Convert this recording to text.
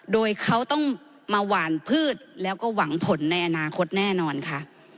โดยเขาต้องมาหวานพืชแล้วก็หวังผลในอนาคตแน่นอนค่ะ